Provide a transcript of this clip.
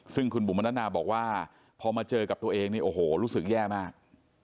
ซึ่งคุณบุ๋มมนาบอกว่าพอมาเจอกับตัวเองนี่โอ้โหรู้สึกแย่มาก